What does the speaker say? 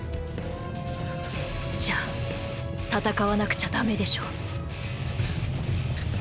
じゃあ戦わなくちゃダメでしょ？